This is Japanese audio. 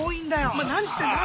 お前何してんだよ！？